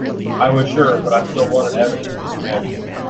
I was sure, but I still wanted evidence to convict.